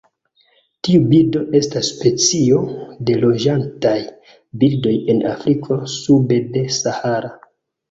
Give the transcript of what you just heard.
Tiu birdo estas specio de loĝantaj birdoj en Afriko sude de Sahara.